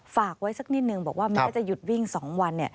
ฝากไว้สักนิดนึงบอกว่าแม้จะหยุดวิ่ง๒วัน